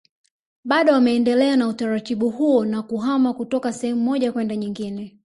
Bado wameendelea na utaratibu huo wa kuhama kutoka sehemu moja kwenda nyingine